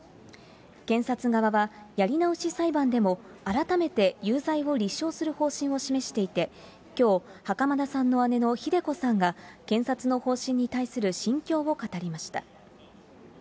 検察側はやり直し裁判でも改めて有罪を立証する方針を示していて、きょう、袴田さんの姉のひで子さんが検察の方針に対する心境を語りました。